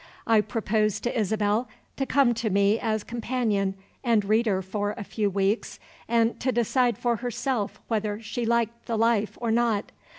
I proposed to Isabel to come to me as companion and reader for a few weeks, and to decide for herself whether she liked the life or not.